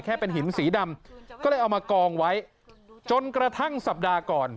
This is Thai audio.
เป็นหินสีดำก็เลยเอามากองไว้จนกระทั่งสัปดาห์ก่อน